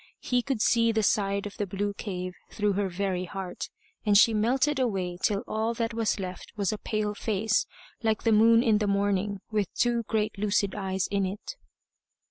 He could see the side of the blue cave through her very heart. And she melted away till all that was left was a pale face, like the moon in the morning, with two great lucid eyes in it.